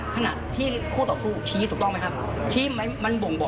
คุณลุงอิจญาณสภาพร่างกายของน้องก่อน